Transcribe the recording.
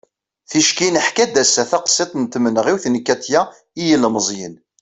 ticki neḥka-d ass-a taqsiḍt n tmenɣiwt n katia i yilmeẓyen